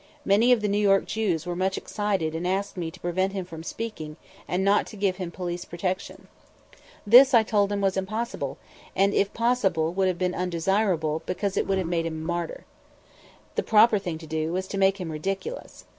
Many of the New York Jews were much excited and asked me to prevent him from speaking and not to give him police protection. This, I told them, was impossible; and if possible would have been undesirable because it would have made him a martyr. The proper thing to do was to make him ridiculous.